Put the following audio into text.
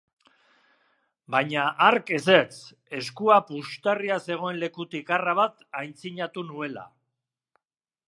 Baina hark ezetz, eskua puxtarria zegoen lekutik arra bat aitzinatu nuela.